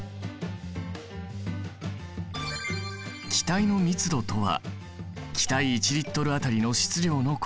気体の密度とは気体１Ｌあたりの質量のこと。